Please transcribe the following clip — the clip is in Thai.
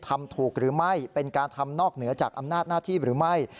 ทำถูกหรือไม่เป็นการทำนอกเหนือจากอำนาจหน้าที่หรือไม่